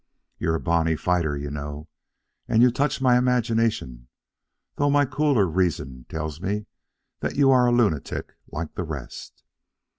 You're a bonny fighter, you know, and you touch my imagination, though my cooler reason tells me that you are a lunatic like the rest.